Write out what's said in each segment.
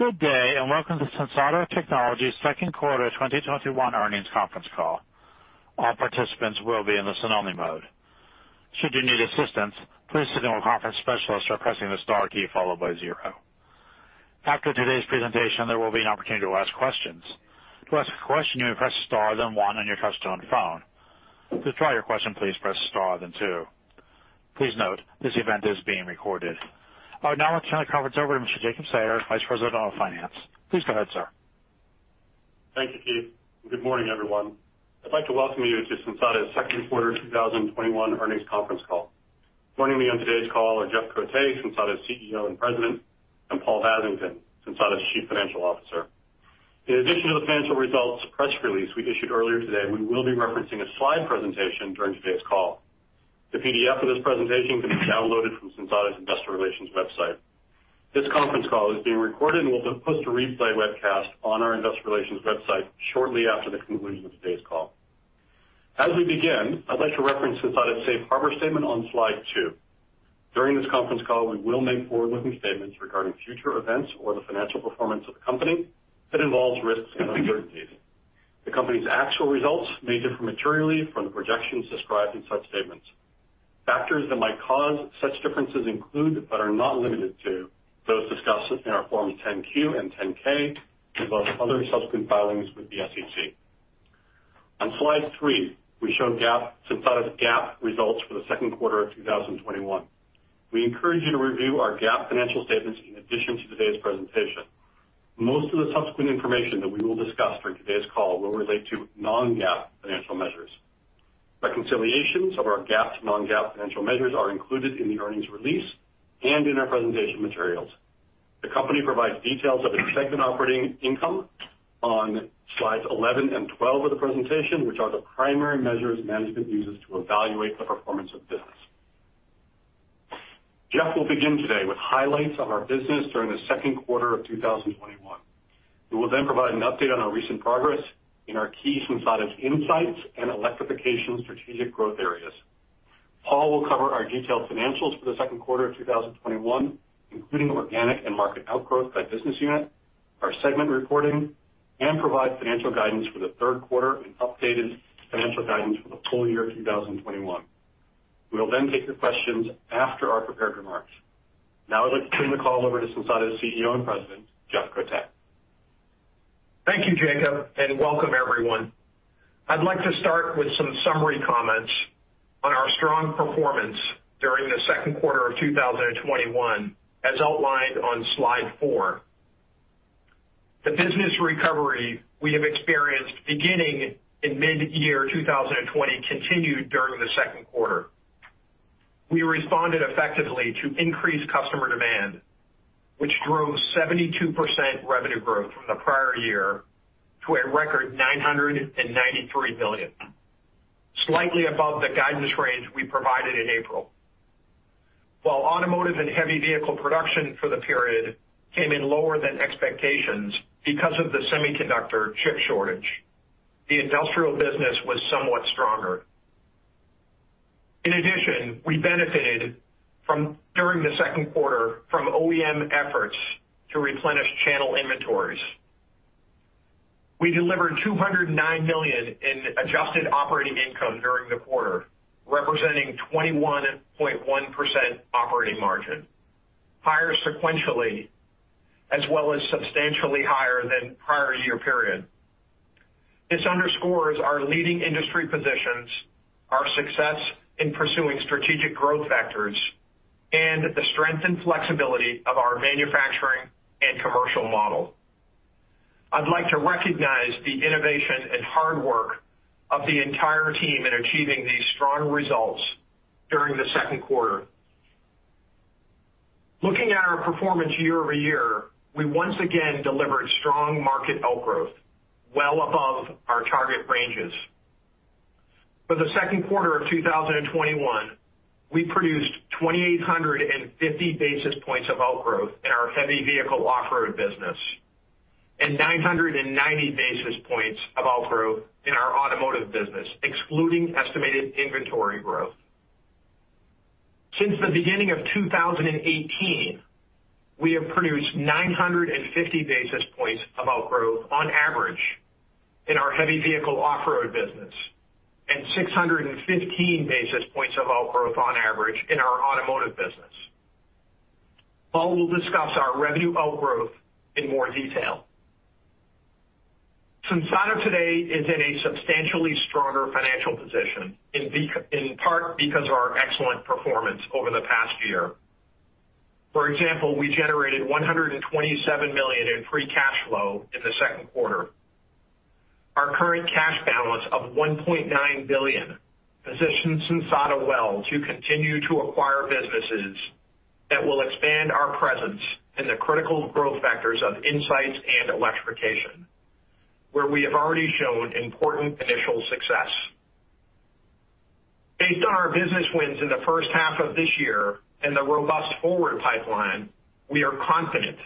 Good day, welcome to Sensata Technologies second quarter 2021 earnings conference call. All participants will be in the listen-only mode. Should you need assistance, please signal a conference specialist by pressing the star key followed by zero. After today's presentation, there will be an opportunity to ask questions. To ask a question, you may press star then one on your touchtone phone. To withdraw your question, please press star then two. Please note, this event is being recorded. I would now like to turn the conference over to Mr. Jacob Sayer, Vice President of Finance. Please go ahead, sir. Thank you, Steve. Good morning, everyone. I'd like to welcome you to Sensata's second quarter 2021 earnings conference call. Joining me on today's call are Jeff Cote, Sensata's CEO and President, and Paul Vasington, Sensata's Chief Financial Officer. In addition to the financial results press release we issued earlier today, we will be referencing a slide presentation during today's call. The PDF of this presentation can be downloaded from Sensata's investor relations website. This conference call is being recorded and will be posted to replay webcast on our investor relations website shortly after the conclusion of today's call. As we begin, I'd like to reference Sensata's safe harbor statement on slide two. During this conference call, we will make forward-looking statements regarding future events or the financial performance of the company that involves risks and uncertainties. The company's actual results may differ materially from the projections described in such statements. Factors that might cause such differences include, but are not limited to, those discussed in our Forms 10-Q and 10-K, as well as other subsequent filings with the SEC. On Slide three, we show Sensata's GAAP results for the second quarter of 2021. We encourage you to review our GAAP financial statements in addition to today's presentation. Most of the subsequent information that we will discuss during today's call will relate to non-GAAP financial measures. Reconciliations of our GAAP to non-GAAP financial measures are included in the earnings release and in our presentation materials. The company provides details of its segment operating income on slides 11 and 12 of the presentation, which are the primary measures management uses to evaluate the performance of the business. Jeff will begin today with highlights on our business during the second quarter of 2021. We will then provide an update on our recent progress in our key Sensata INSIGHTS and Electrification strategic growth areas. Paul will cover our detailed financials for the second quarter of 2021, including organic and market outgrowth by business unit, our segment reporting, and provide financial guidance for the third quarter and updated financial guidance for the full year of 2021. We will then take your questions after our prepared remarks. Now I'd like to turn the call over to Sensata's CEO and President, Jeff Cote. Thank you, Jacob, and welcome everyone. I'd like to start with some summary comments on our strong performance during the second quarter of 2021, as outlined on slide four. The business recovery we have experienced beginning in mid-year 2020 continued during the second quarter. We responded effectively to increased customer demand, which drove 72% revenue growth from the prior year to a record $993 million. Slightly above the guidance range we provided in April. While automotive and heavy vehicle production for the period came in lower than expectations because of the semiconductor chip shortage, the industrial business was somewhat stronger. In addition, we benefited during the second quarter from OEM efforts to replenish channel inventories. We delivered $209 million in adjusted operating income during the quarter, representing 21.1% operating margin, higher sequentially as well as substantially higher than prior year period. This underscores our leading industry positions, our success in pursuing strategic growth vectors, and the strength and flexibility of our manufacturing and commercial model. I'd like to recognize the innovation and hard work of the entire team in achieving these strong results during the second quarter. Looking at our performance year-over-year, we once again delivered strong market outgrowth well above our target ranges. For the second quarter of 2021, we produced 2,850 basis points of outgrowth in our heavy vehicle off-road business and 990 basis points of outgrowth in our automotive business, excluding estimated inventory growth. Since the beginning of 2018, we have produced 950 basis points of outgrowth on average in our heavy vehicle off-road business and 615 basis points of outgrowth on average in our automotive business. Paul will discuss our revenue outgrowth in more detail. Sensata today is in a substantially stronger financial position, in part because of our excellent performance over the past year. For example, we generated $127 million in free cash flow in the second quarter. Our current cash balance of $1.9 billion positions Sensata well to continue to acquire businesses that will expand our presence in the critical growth vectors of INSIGHTS and Electrification, where we have already shown important initial success. Based on our business wins in the first half of this year and the robust forward pipeline, we are confident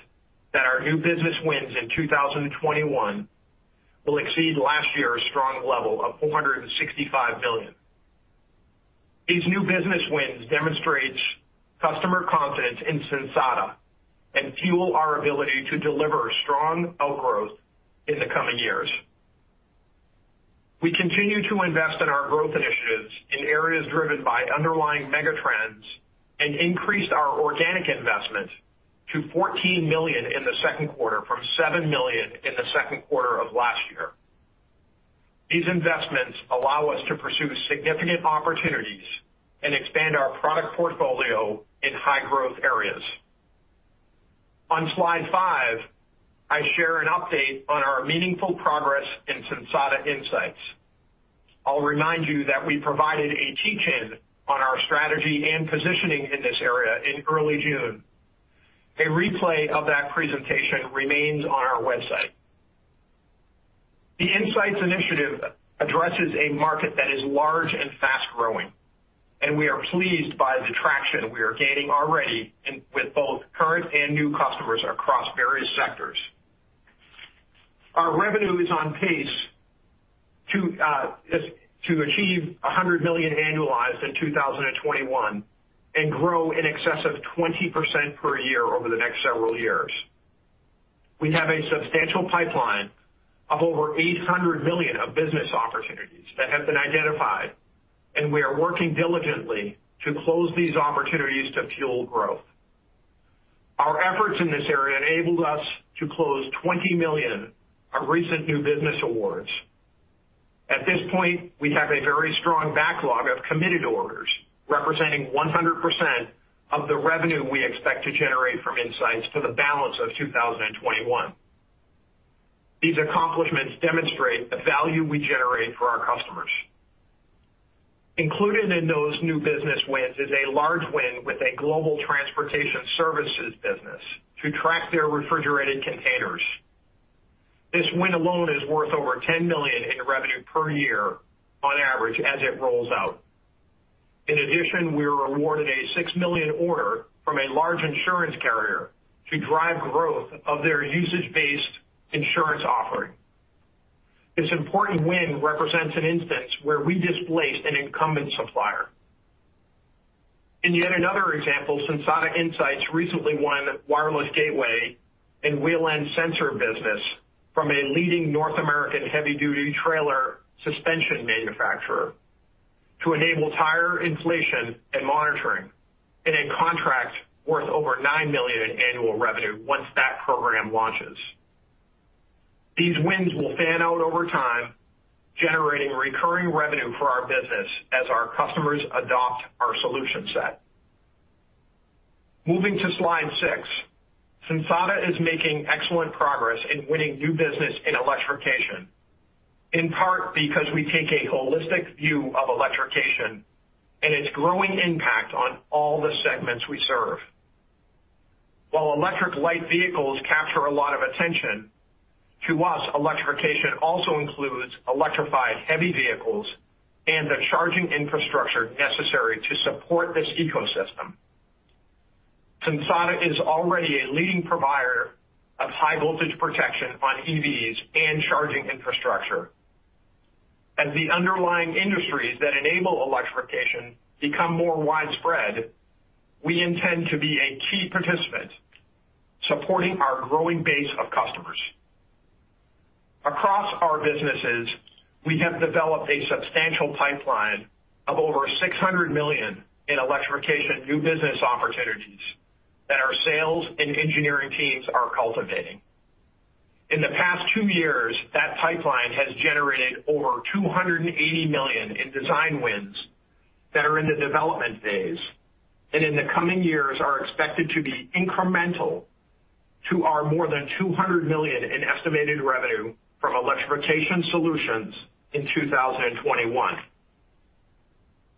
that our new business wins in 2021 will exceed last year's strong level of $465 million. These new business wins demonstrates customer confidence in Sensata and fuel our ability to deliver strong outgrowth in the coming years. We continue to invest in our growth initiatives in areas driven by underlying mega trends, and increased our organic investment to $14 million in the second quarter from $7 million in the second quarter of last year. These investments allow us to pursue significant opportunities and expand our product portfolio in high growth areas. On slide five, I share an update on our meaningful progress in Sensata INSIGHTS. I'll remind you that we provided a teach-in on our strategy and positioning in this area in early June. A replay of that presentation remains on our website. The INSIGHTS initiative addresses a market that is large and fast-growing, and we are pleased by the traction we are gaining already with both current and new customers across various sectors. Our revenue is on pace to achieve $100 million annualized in 2021 and grow in excess of 20% per year over the next several years. We have a substantial pipeline of over $800 million of business opportunities that have been identified, we are working diligently to close these opportunities to fuel growth. Our efforts in this area enabled us to close $20 million of recent new business awards. At this point, we have a very strong backlog of committed orders representing 100% of the revenue we expect to generate from INSIGHTS for the balance of 2021. These accomplishments demonstrate the value we generate for our customers. Included in those new business wins is a large win with a global transportation services business to track their refrigerated containers. This win alone is worth over $10 million in revenue per year on average as it rolls out. In addition, we were awarded a $6 million order from a large insurance carrier to drive growth of their usage-based insurance offering. This important win represents an instance where we displaced an incumbent supplier. In yet another example, Sensata INSIGHTS recently won wireless gateway and wheel end sensor business from a leading North American heavy-duty trailer suspension manufacturer to enable tire inflation and monitoring in a contract worth over $9 million in annual revenue once that program launches. These wins will fan out over time, generating recurring revenue for our business as our customers adopt our solution set. Moving to slide six. Sensata is making excellent progress in winning new business in Electrification, in part because we take a holistic view of Electrification and its growing impact on all the segments we serve. While electric light vehicles capture a lot of attention, to us, electrification also includes electrified heavy vehicles and the charging infrastructure necessary to support this ecosystem. Sensata is already a leading provider of high voltage protection on EVs and charging infrastructure. As the underlying industries that enable electrification become more widespread, we intend to be a key participant supporting our growing base of customers. Across our businesses, we have developed a substantial pipeline of over $600 million in electrification new business opportunities that our sales and engineering teams are cultivating. In the past two years, that pipeline has generated over $280 million in design wins that are in the development phase, and in the coming years are expected to be incremental to our more than $200 million in estimated revenue from electrification solutions in 2021.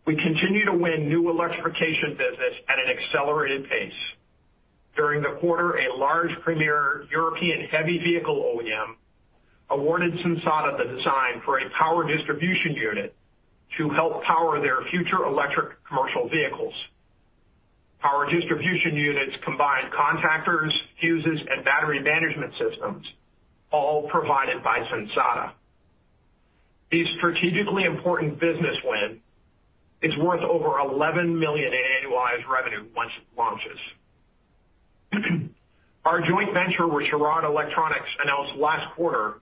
We continue to win new electrification business at an accelerated pace. During the quarter, a large premier European heavy vehicle OEM awarded Sensata the design for a power distribution unit to help power their future electric commercial vehicles. Power distribution units combine contactors, fuses, and battery management systems, all provided by Sensata. This strategically important business win is worth over $11 million in annualized revenue once it launches. Our joint venture with Churod Electronics announced last quarter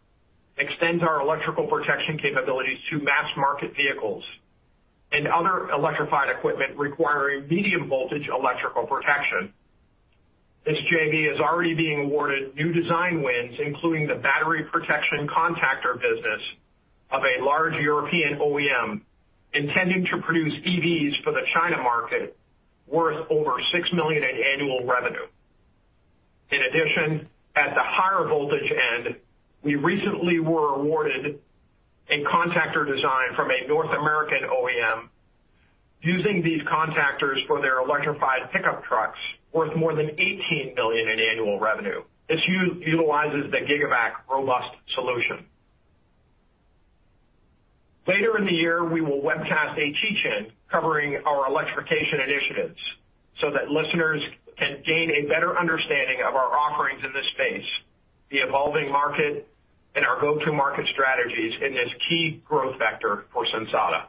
extends our electrical protection capabilities to mass market vehicles and other electrified equipment requiring medium voltage electrical protection. This JV is already being awarded new design wins, including the battery protection contactor business of a large European OEM intending to produce EVs for the China market worth over $6 million in annual revenue. In addition, at the higher voltage end, we recently were awarded a contactor design from a North American OEM using these contactors for their electrified pickup trucks worth more than $18 million in annual revenue. This utilizes the GIGAVAC robust solution. Later in the year, we will webcast a teach-in covering our electrification initiatives so that listeners can gain a better understanding of our offerings in this space, the evolving market and our go-to market strategies in this key growth vector for Sensata.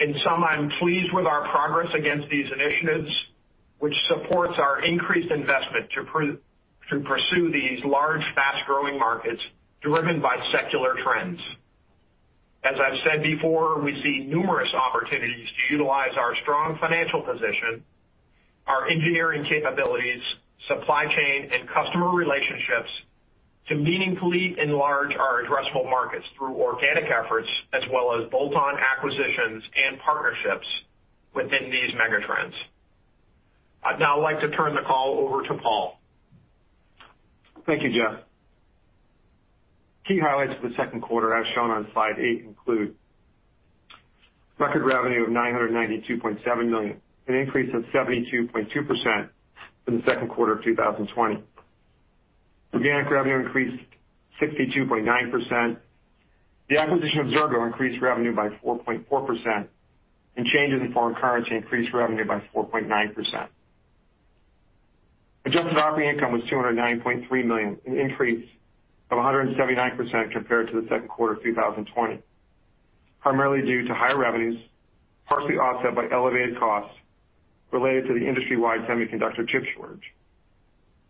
In sum, I'm pleased with our progress against these initiatives, which supports our increased investment to pursue these large, fast-growing markets driven by secular trends. As I've said before, we see numerous opportunities to utilize our strong financial position, our engineering capabilities, supply chain, and customer relationships to meaningfully enlarge our addressable markets through organic efforts, as well as bolt-on acquisitions and partnerships within these megatrends. I'd now like to turn the call over to Paul. Thank you, Jeff. Key highlights for the second quarter, as shown on slide eight, include record revenue of $992.7 million, an increase of 72.2% from the second quarter of 2020. Organic revenue increased 62.9%. The acquisition of Xirgo increased revenue by 4.4%, and changes in foreign currency increased revenue by 4.9%. Adjusted operating income was $209.3 million, an increase of 179% compared to the second quarter of 2020. Primarily due to higher revenues, partially offset by elevated costs related to the industry-wide semiconductor chip shortage,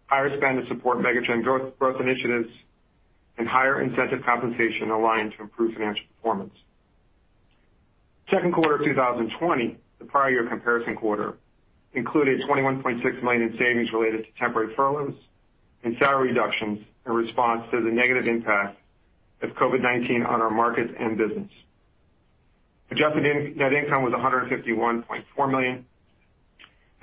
higher spend to support megatrend growth initiatives, and higher incentive compensation aligned to improve financial performance. Second quarter of 2020, the prior year comparison quarter, included $21.6 million in savings related to temporary furloughs and salary reductions in response to the negative impact of COVID-19 on our markets and business. Adjusted net income was $151.4 million,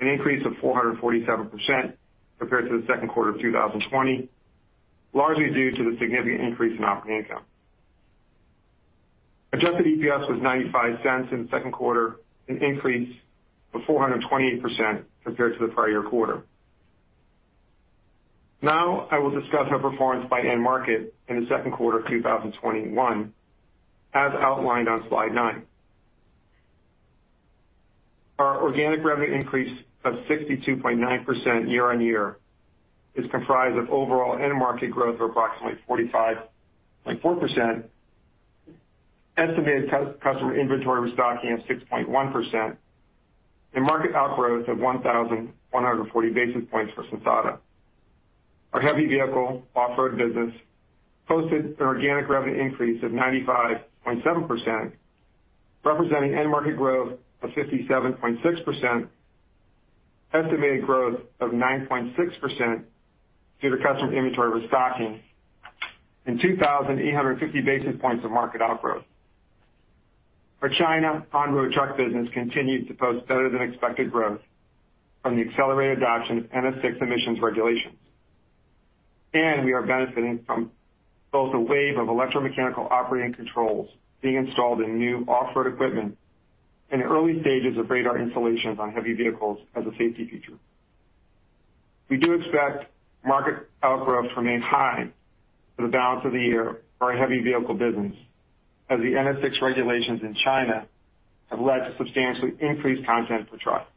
an increase of 447% compared to the second quarter of 2020, largely due to the significant increase in operating income. Adjusted EPS was $0.95 in the second quarter, an increase of 428% compared to the prior year quarter. Now, I will discuss our performance by end market in the second quarter of 2021 as outlined on slide nine. Our organic revenue increase of 62.9% year-on-year is comprised of overall end market growth of approximately 45.4%, estimated customer inventory restocking of 6.1%, and market outgrowth of 1,140 basis points for Sensata. Our heavy vehicle off-road business posted an organic revenue increase of 95.7%, representing end market growth of 57.6%, estimated growth of 9.6% due to customer inventory restocking, and 2,850 basis points of market outgrowth. Our China on-road truck business continued to post better than expected growth from the accelerated adoption of NS VI emissions regulations. We are benefiting from both a wave of electromechanical operating controls being installed in new off-road equipment in the early stages of radar installations on heavy vehicles as a safety feature. We do expect market outgrowth to remain high for the balance of the year for our heavy vehicle business, as the NS VI regulations in China have led to substantially increased content per truck.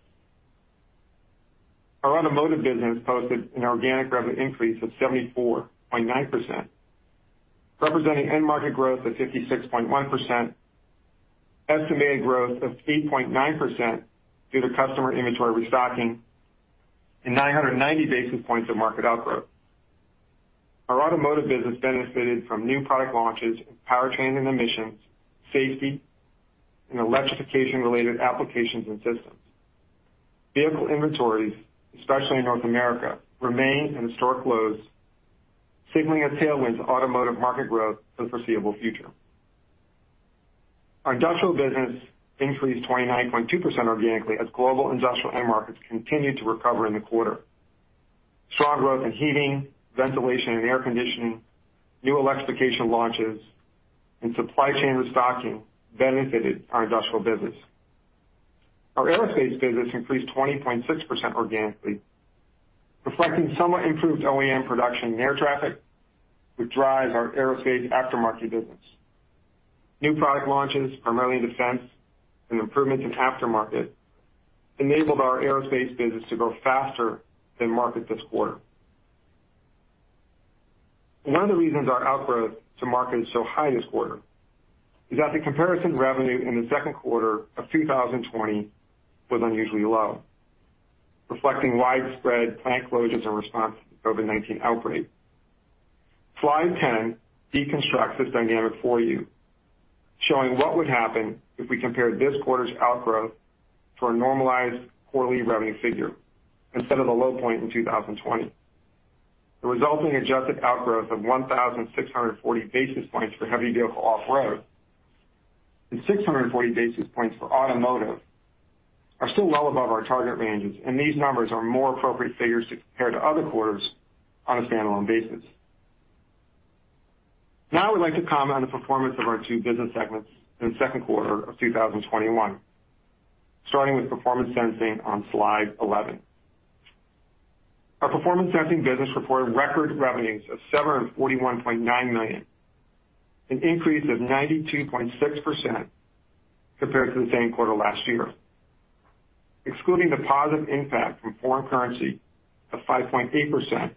Our automotive business posted an organic revenue increase of 74.9%, representing end market growth of 56.1%, estimated growth of 8.9% due to customer inventory restocking, and 990 basis points of market outgrowth. Our automotive business benefited from new product launches in powertrain and emissions, safety, and electrification-related applications and systems. Vehicle inventories, especially in North America, remain in historic lows, signaling a tailwind to automotive market growth for the foreseeable future. Our industrial business increased 29.2% organically as global industrial end markets continued to recover in the quarter. Strong growth in heating, ventilation, and air conditioning, new electrification launches, and supply chain restocking benefited our industrial business. Our aerospace business increased 20.6% organically, reflecting somewhat improved OEM production in air traffic, which drives our aerospace aftermarket business. New product launches, primarily in defense and improvements in aftermarket, enabled our aerospace business to grow faster than market this quarter. One of the reasons our outgrowth to market is so high this quarter is that the comparison revenue in the second quarter of 2020 was unusually low, reflecting widespread plant closures in response to the COVID-19 outbreak. Slide 10 deconstructs this dynamic for you, showing what would happen if we compared this quarter's outgrowth to a normalized quarterly revenue figure instead of the low point in 2020. The resulting adjusted outgrowth of 1,640 basis points for heavy vehicle off-road and 640 basis points for automotive are still well above our target ranges, and these numbers are more appropriate figures to compare to other quarters on a standalone basis. I would like to comment on the performance of our two business segments in the second quarter of 2021, starting with Performance Sensing on slide 11. Our Performance Sensing business reported record revenues of $741.9 million, an increase of 92.6% compared to the same quarter last year. Excluding the positive impact from foreign currency of 5.8%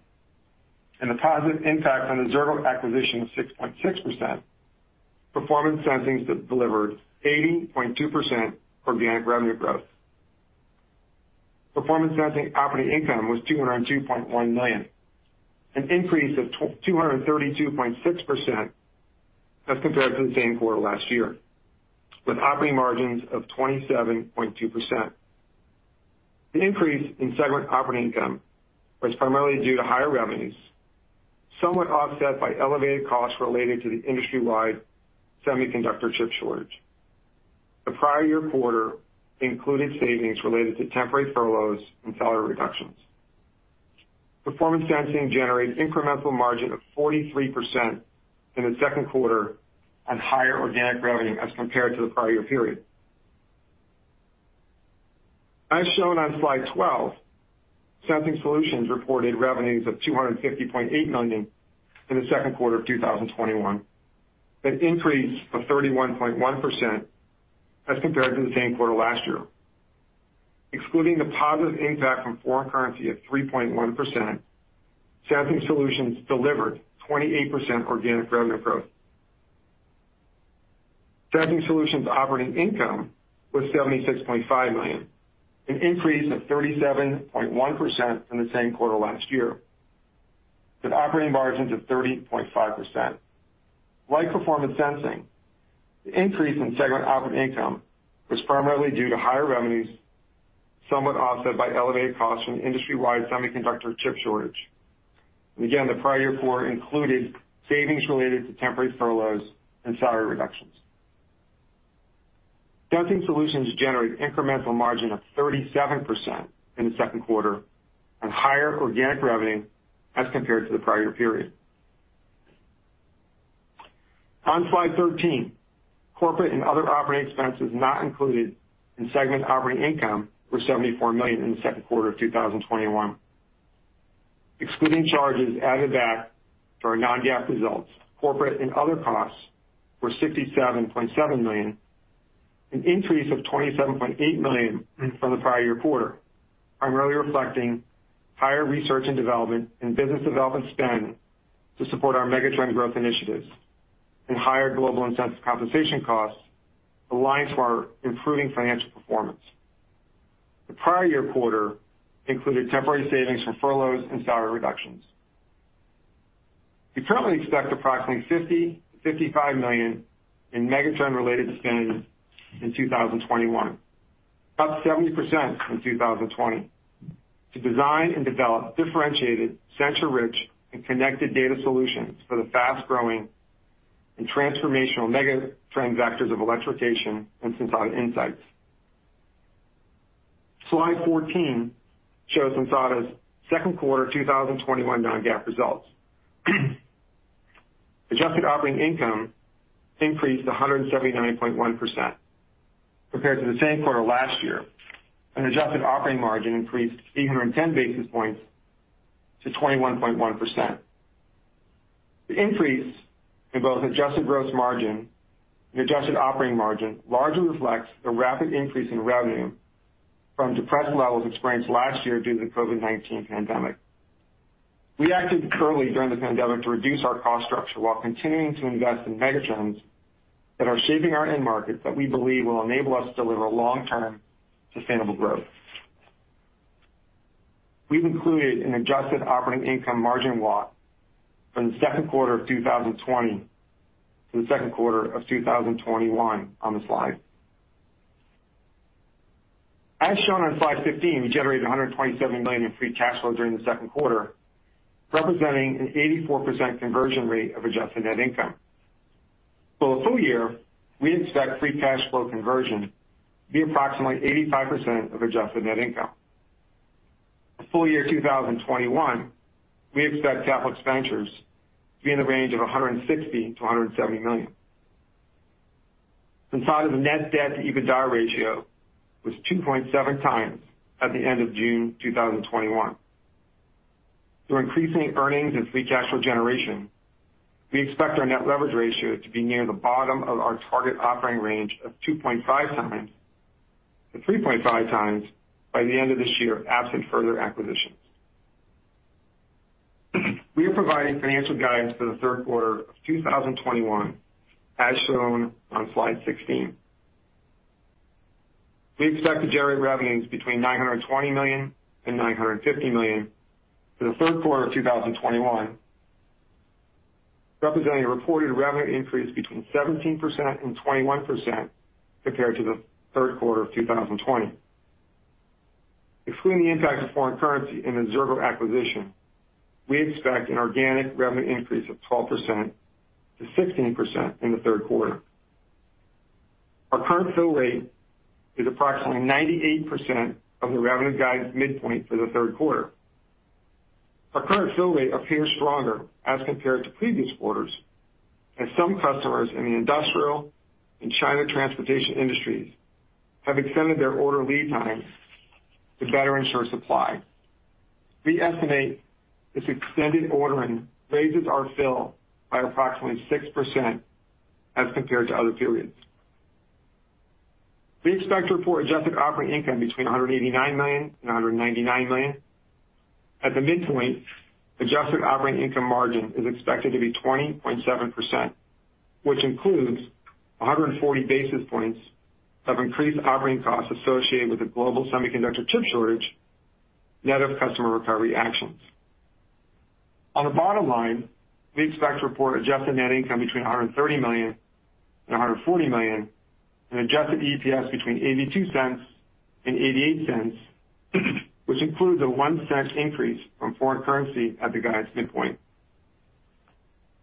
and the positive impact on the Xirgo acquisition of 6.6%, Performance Sensing delivered 80.2% organic revenue growth. Performance Sensing operating income was $202.1 million, an increase of 232.6% as compared to the same quarter last year, with operating margins of 27.2%. The increase in segment operating income was primarily due to higher revenues, somewhat offset by elevated costs related to the industry-wide semiconductor chip shortage. The prior year quarter included savings related to temporary furloughs and salary reductions. Performance Sensing generated incremental margin of 43% in the second quarter on higher organic revenue as compared to the prior year period. As shown on slide 12, Sensing Solutions reported revenues of $250.8 million in the second quarter of 2021, an increase of 31.1% as compared to the same quarter last year. Excluding the positive impact from foreign currency of 3.1%, Sensing Solutions delivered 28% organic revenue growth. Sensing Solutions operating income was $76.5 million, an increase of 37.1% from the same quarter last year, with operating margins of 30.5%. Like Performance Sensing, the increase in segment operating income was primarily due to higher revenues, somewhat offset by elevated costs from industry-wide semiconductor chip shortage. Again, the prior year quarter included savings related to temporary furloughs and salary reductions. Sensing Solutions generated incremental margin of 37% in the second quarter on higher organic revenue as compared to the prior year period. On slide 13, corporate and other operating expenses, not included in segment operating income, were $74 million in the second quarter of 2021. Excluding charges added back to our non-GAAP results, corporate and other costs were $67.7 million, an increase of $27.8 million from the prior year quarter, primarily reflecting higher research and development and business development spend to support our megatrend growth initiatives and higher global incentive compensation costs aligned to our improving financial performance. The prior year quarter included temporary savings from furloughs and salary reductions. We currently expect approximately $50 million-$55 million in megatrend-related spending in 2021, up 70% from 2020, to design and develop differentiated, sensor-rich, and connected data solutions for the fast-growing and transformational megatrend vectors of Electrification and Sensata INSIGHTS. Slide 14 shows Sensata's second quarter 2021 non-GAAP results. Adjusted operating income increased 179.1% compared to the same quarter last year, and adjusted operating margin increased 310 basis points to 21.1%. The increase in both adjusted gross margin and adjusted operating margin largely reflects the rapid increase in revenue from depressed levels experienced last year due to the COVID-19 pandemic. We acted quickly during the pandemic to reduce our cost structure while continuing to invest in megatrends that are shaping our end markets that we believe will enable us to deliver long-term sustainable growth. We've included an adjusted operating income margin walk from the second quarter of 2020 to the second quarter of 2021 on the slide. As shown on slide 15, we generated $127 million in free cash flow during the second quarter, representing an 84% conversion rate of adjusted net income. For the full year, we expect free cash flow conversion to be approximately 85% of adjusted net income. For full year 2021, we expect capital expenditures to be in the range of $160 million-$170 million. Sensata's net debt to EBITDA ratio was 2.7x at the end of June 2021. Through increasing earnings and free cash flow generation, we expect our net leverage ratio to be near the bottom of our target operating range of 2.5x-3.5x by the end of this year, absent further acquisitions. We are providing financial guidance for the third quarter of 2021 as shown on slide 16. We expect to generate revenues between $920 million and $950 million for the third quarter of 2021, representing a reported revenue increase between 17% and 21% compared to the third quarter of 2020. Excluding the impact of foreign currency and the Xirgo acquisition, we expect an organic revenue increase of 12% to 16% in the third quarter. Our current fill rate is approximately 98% of the revenue guidance midpoint for the third quarter. Our current fill rate appears stronger as compared to previous quarters, as some customers in the industrial and China transportation industries have extended their order lead times to better ensure supply. We estimate this extended ordering raises our fill by approximately 6% as compared to other periods. We expect to report adjusted operating income between $189 million and $199 million. At the midpoint, adjusted operating income margin is expected to be 20.7%, which includes 140 basis points of increased operating costs associated with the global semiconductor chip shortage, net of customer recovery actions. On the bottom line, we expect to report adjusted net income between $130 million and $140 million, and adjusted EPS between $0.82 and $0.88, which includes a $0.01 increase from foreign currency at the guidance midpoint.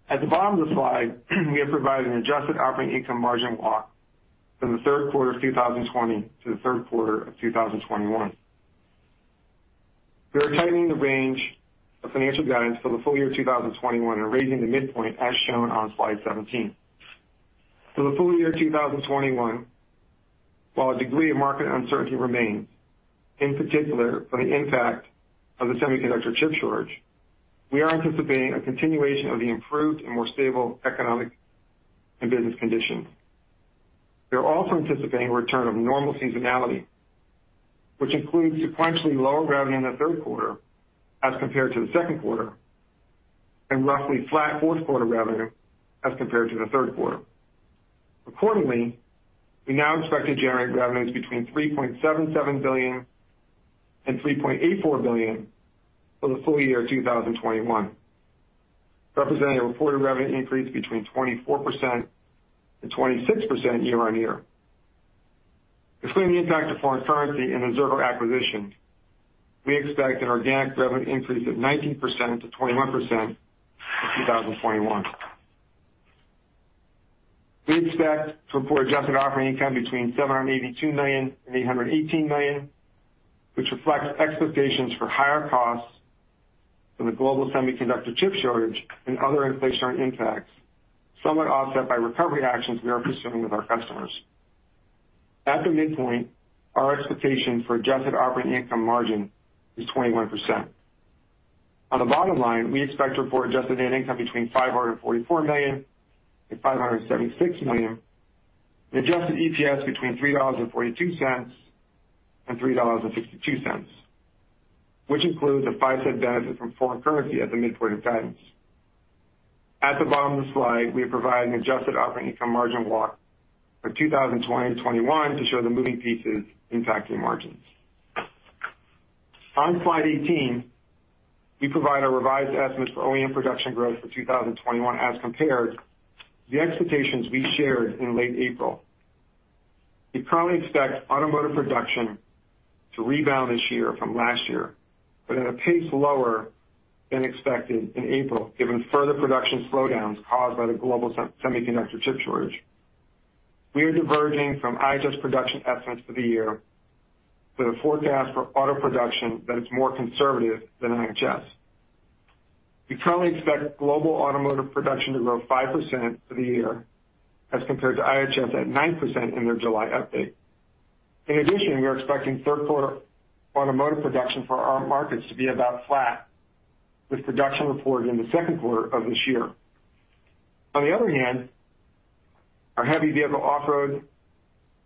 At the bottom of the slide, we have provided an adjusted operating income margin walk from the third quarter of 2020 to the third quarter of 2021. We are tightening the range of financial guidance for the full year 2021 and raising the midpoint as shown on slide 17. For the full year 2021, while a degree of market uncertainty remains, in particular for the impact of the semiconductor chip shortage, we are anticipating a continuation of the improved and more stable economic and business conditions. We are also anticipating a return of normal seasonality, which includes sequentially lower revenue in the third quarter as compared to the second quarter, and roughly flat fourth quarter revenue as compared to the third quarter. Accordingly, we now expect to generate revenues between $3.77 billion and $3.84 billion for the full year 2021, representing a reported revenue increase between 24% and 26% year-on-year. Excluding the impact of foreign currency and the Xirgo acquisition, we expect an organic revenue increase of 19%-21% for 2021. We expect to report adjusted operating income between $782 million and $818 million, which reflects expectations for higher costs from the global semiconductor chip shortage and other inflationary impacts, somewhat offset by recovery actions we are pursuing with our customers. At the midpoint, our expectation for adjusted operating income margin is 21%. On the bottom line, we expect to report adjusted net income between $544 million and $576 million, and adjusted EPS between $3.42 and $3.62, which includes a $0.05 benefit from foreign currency at the midpoint guidance. At the bottom of the slide, we have provided an adjusted operating income margin walk for 2021 to show the moving pieces impacting margins. On slide 18, we provide our revised estimates for OEM production growth for 2021 as compared to the expectations we shared in late April. We currently expect automotive production to rebound this year from last year, but at a pace lower than expected in April, given further production slowdowns caused by the global semiconductor chip shortage. We are diverging from IHS production estimates for the year with a forecast for auto production that is more conservative than IHS. We currently expect global automotive production to grow 5% for the year as compared to IHS at 9% in their July update. In addition, we are expecting third quarter automotive production for our markets to be about flat with production reported in the second quarter of this year. On the other hand, our heavy vehicle off-road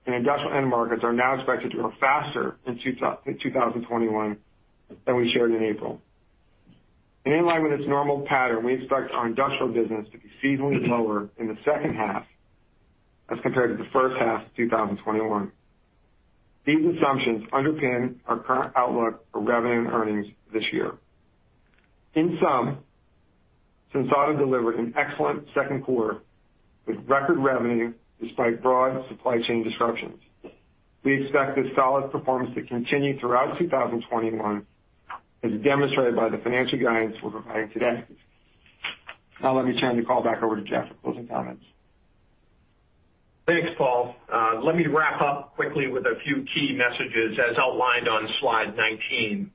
and industrial end markets are now expected to grow faster in 2021 than we shared in April. In line with its normal pattern, we expect our industrial business to be seasonally lower in the second half as compared to the first half of 2021. These assumptions underpin our current outlook for revenue and earnings this year. In sum, Sensata delivered an excellent second quarter with record revenue despite broad supply chain disruptions. We expect this solid performance to continue throughout 2021, as demonstrated by the financial guidance we're providing today. Now let me turn the call back over to Jeff for closing comments. Thanks, Paul. Let me wrap up quickly with a few key messages as outlined on slide 19.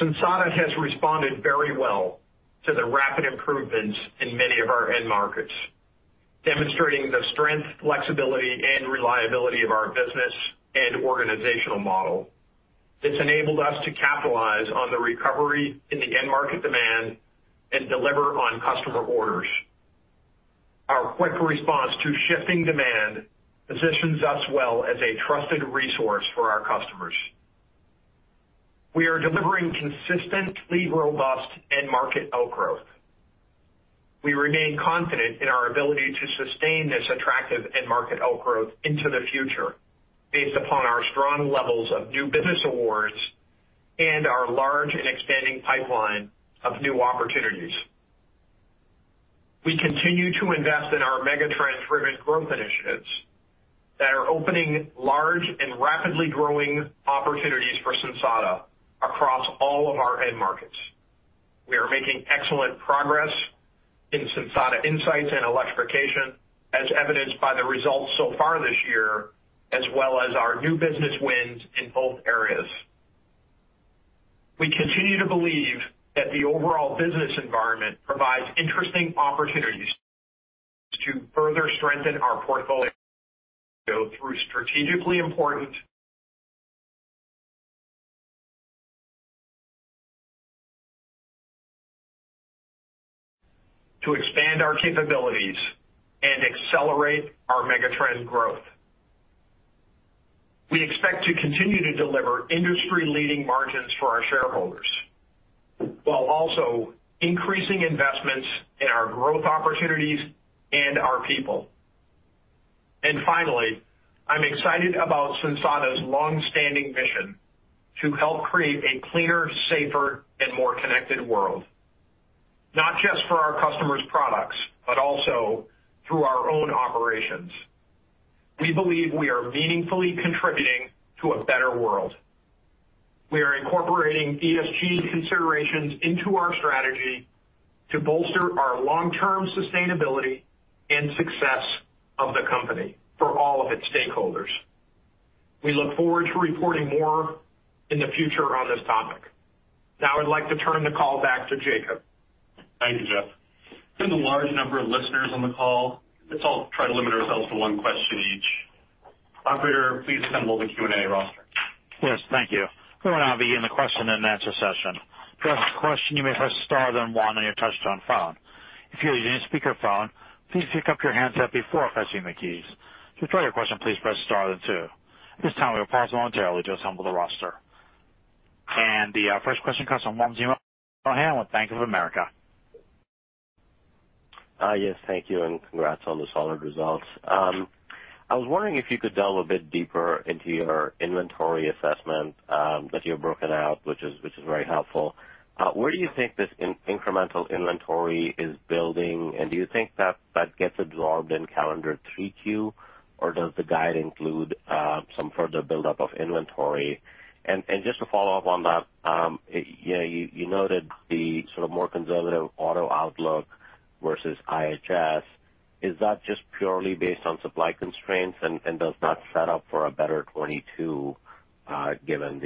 Sensata has responded very well to the rapid improvements in many of our end markets, demonstrating the strength, flexibility, and reliability of our business and organizational model. It's enabled us to capitalize on the recovery in the end market demand and deliver on customer orders. Our quick response to shifting demand positions us well as a trusted resource for our customers. We are delivering consistently robust end market outgrowth. We remain confident in our ability to sustain this attractive end market outgrowth into the future based upon our strong levels of new business awards and our large and expanding pipeline of new opportunities. We continue to invest in our megatrend-driven growth initiatives that are opening large and rapidly growing opportunities for Sensata across all of our end markets. We are making excellent progress in Sensata INSIGHTS and Electrification, as evidenced by the results so far this year, as well as our new business wins in both areas. We continue to believe that the overall business environment provides interesting opportunities. Further strengthen our portfolio through strategically important to expand our capabilities and accelerate our megatrend growth. We expect to continue to deliver industry leading margins for our shareholders, while also increasing investments in our growth opportunities and our people. Finally, I'm excited about Sensata's longstanding mission to help create a cleaner, safer, and more connected world, not just for our customers' products, but also through our own operations. We believe we are meaningfully contributing to a better world. We are incorporating ESG considerations into our strategy to bolster our long-term sustainability and success of the company for all of its stakeholders. We look forward to reporting more in the future on this topic. Now I'd like to turn the call back to Jacob. Thank you, Jeff. Given the large number of listeners on the call, let's all try to limit ourselves to one question each. Operator, please assemble the Q&A roster. Yes. Thank you. We will now begin the question and answer session. To ask a question, you may press star then one on your touchtone phone. If you're using a speakerphone, please pick up your handset before pressing the keys. To withdraw your question, please press star then two. At this time, we will pause momentarily to assemble the roster. The first question comes from Wamsi Mohan with Bank of America. Yes. Thank you, and congrats on the solid results. I was wondering if you could delve a bit deeper into your inventory assessment, that you have broken out, which is very helpful. Where do you think this incremental inventory is building, and do you think that gets absorbed in calendar 3Q or does the guide include some further buildup of inventory? Just to follow up on that, you noted the sort of more conservative auto outlook versus IHS. Is that just purely based on supply constraints and does not set up for a better 2022, given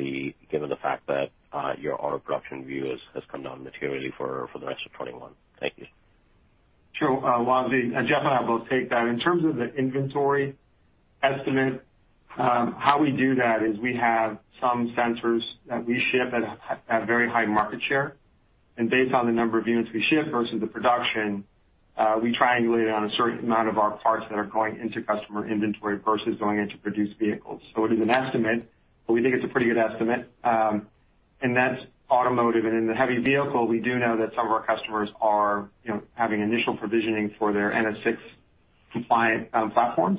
the fact that your auto production view has come down materially for the rest of 2021? Thank you. Sure Wamsi. Jeff and I will both take that. In terms of the inventory estimate, how we do that is we have some sensors that we ship at very high market share. Based on the number of units we ship versus the production, we triangulate on a certain amount of our parts that are going into customer inventory versus going into produced vehicles. It is an estimate, but we think it's a pretty good estimate. That's automotive. In the heavy vehicle, we do know that some of our customers are having initial provisioning for their NS VI compliant platforms,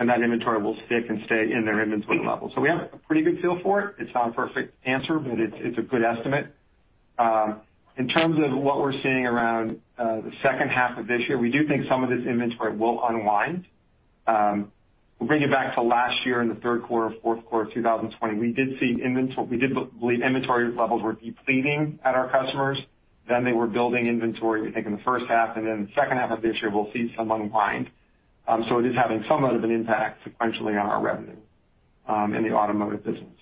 and that inventory will stick and stay in their inventory level. We have a pretty good feel for it. It's not a perfect answer, but it's a good estimate. In terms of what we're seeing around the second half of this year, we do think some of this inventory will unwind. We'll bring it back to last year in the third quarter, fourth quarter of 2020. We did believe inventory levels were depleting at our customers, then they were building inventory, we think in the first half and then the second half of this year we'll see some unwind. It is having somewhat of an impact sequentially on our revenue in the automotive business.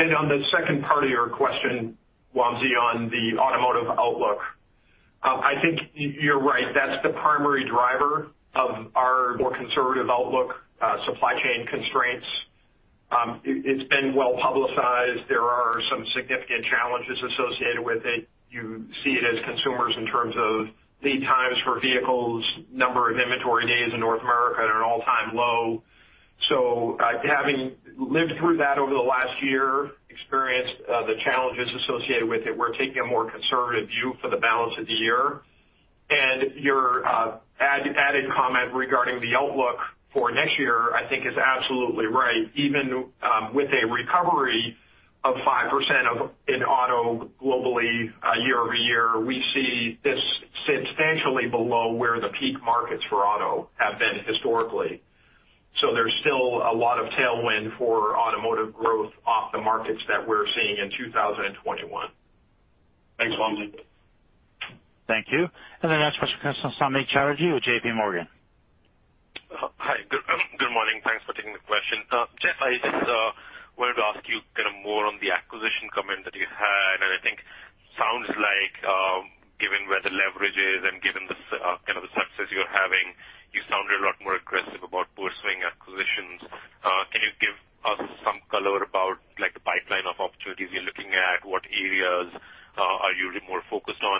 On the second part of your question, Wamsi, on the automotive outlook, I think you're right. That's the primary driver of our more conservative outlook, supply chain constraints. It's been well publicized. There are some significant challenges associated with it. You see it as consumers in terms of lead times for vehicles, number of inventory days in North America at an all time low. Having lived through that over the last year, experienced the challenges associated with it, we're taking a more conservative view for the balance of the year. Your added comment regarding the outlook for next year, I think is absolutely right. Even with a recovery of 5% in auto globally year-over-year, we see this substantially below where the peak markets for auto have been historically. There's still a lot of tailwind for automotive growth off the markets that we're seeing in 2021. Thanks, Wamsi. Thank you. The next question comes from Samik Chatterjee with JPMorgan. Hi. Good morning. Thanks for taking the question. Jeff, I just wanted to ask you kind of more on the acquisition comment that you had. I think sounds like given where the leverage is and given the kind of the success you're having, you sounded a lot more aggressive about pursuing acquisitions. Can you give us some color about the pipeline of opportunities you're looking at? What areas are you more focused on?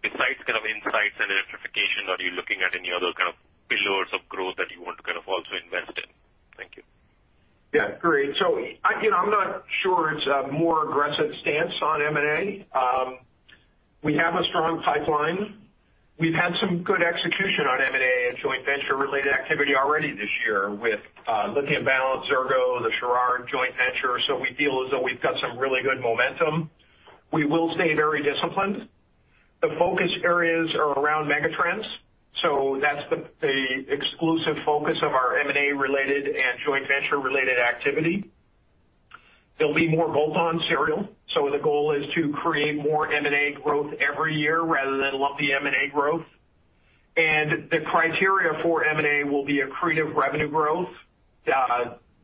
Besides kind of INSIGHTS and Electrification, are you looking at any other kind of pillars of growth that you want to kind of also invest in? Thank you. Yeah, great. I'm not sure it's a more aggressive stance on M&A. We have a strong pipeline. We've had some good execution on M&A and joint venture related activity already this year with Lithium Balance, Xirgo, the Churod joint venture. We feel as though we've got some really good momentum. We will stay very disciplined. The focus areas are around megatrends, so that's the exclusive focus of our M&A related and joint venture related activity. There'll be more bolt on serial. The goal is to create more M&A growth every year rather than lumpy M&A growth. The criteria for M&A will be accretive revenue growth.